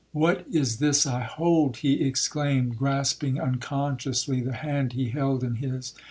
What is this I hold?' he exclaimed, grasping unconsciously the hand he held in his.